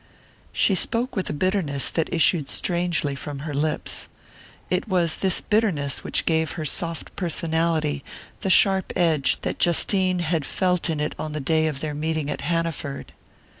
She spoke with a bitterness that issued strangely from her lips. It was this bitterness which gave her soft personality the sharp edge that Justine had felt in it on the day of their meeting at Hanaford.